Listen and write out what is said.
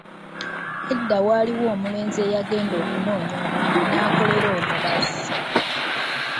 Edda waaliwo omulenzi eyagenda okunoonya omulimu n'akolera omubazzi.